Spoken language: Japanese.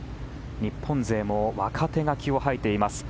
日本勢も若手が気を吐いています。